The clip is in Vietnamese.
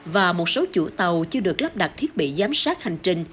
và một số chủ tàu chưa được lắp đặt thiết bị giám sát hành trình